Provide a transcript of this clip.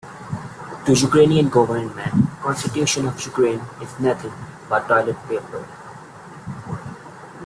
To Ukrainian government, Constitution of Ukraine is nothing but toilet paper.